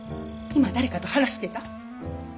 今誰かと話してた？